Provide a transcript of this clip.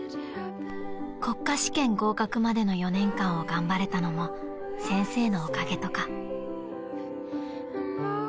［国家試験合格までの４年間を頑張れたのも先生のおかげとか］